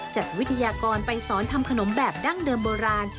วิทยากรไปสอนทำขนมแบบดั้งเดิมโบราณ